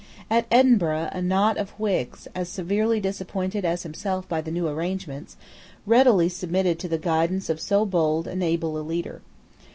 At Edinburgh a knot of Whigs, as severely disappointed as himself by the new arrangements, readily submitted to the guidance of so bold and able a leader.